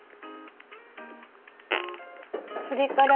それから